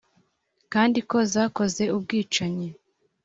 kandi ko zakoze ubwicanyi